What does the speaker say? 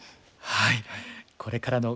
はい。